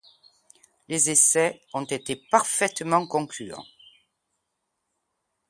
Les essais ont été parfaitement concluant.